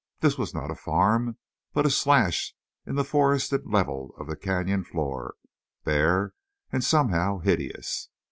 This was not a farm, but a slash in the forested level of the canyon floor, bare and somehow hideous.